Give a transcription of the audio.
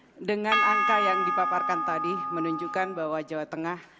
terima kasih dengan angka yang di paparkan tadi menunjukkan bahwa jawa tengah